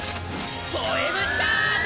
ポエム・チャージ！